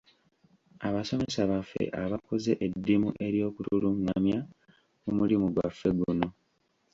Abasomesa baffe abakoze eddimu ery’okutulungamya ku mulimu gwaffe guno.